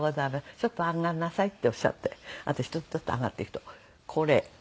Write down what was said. ちょっと上がんなさい」っておっしゃって私トットッと上がっていくと「これ」。